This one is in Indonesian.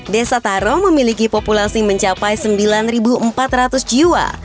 desa taro memiliki populasi mencapai sembilan empat ratus jiwa